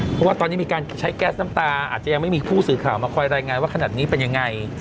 เพราะว่าตอนนี้มีการใช้แก๊สน้ำตาอาจจะยังไม่มีผู้สื่อข่าวมาคอยรายงานว่าขนาดนี้เป็นยังไง